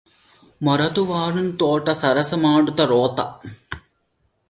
మొరటువానితోడ సరసమాడుట రోత